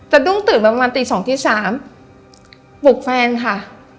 แต่ดุ้งตื่นประมาณตี๒๓ปลูกแฟนค่ะ